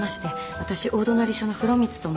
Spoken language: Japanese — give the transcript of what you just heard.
私大隣署の風呂光と申します